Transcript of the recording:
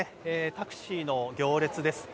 タクシーの行列です。